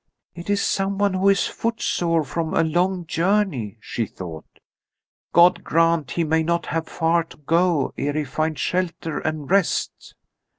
"It is someone who is footsore from a long journey," she thought. "God grant he may not have far to go ere he find shelter and rest."